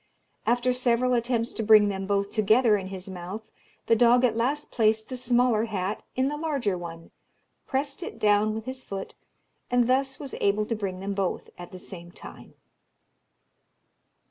After several attempts to bring them both together in his mouth, the dog at last placed the smaller hat in the larger one, pressed it down with his foot, and thus was able to bring them both at the same time.